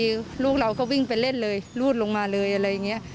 คือลูกเราก็วิ่งไปเล่นเลยรูดลงมาเลยอะไรอย่างนี้